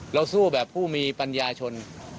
สู้แบบผู้มีปัญญาชน